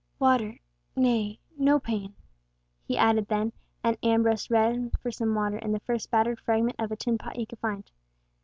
"Water—nay—no pain," he added then, and Ambrose ran for some water in the first battered fragment of a tin pot he could find.